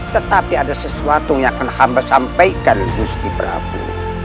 tetapi ada sesuatu yang akan hamba sampaikan gusti prabu